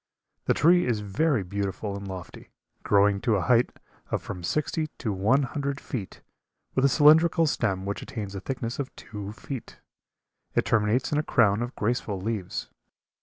The tree is very beautiful and lofty, growing to a height of from sixty to one hundred feet, with a cylindrical stem which attains a thickness of two feet. It terminates in a crown of graceful leaves.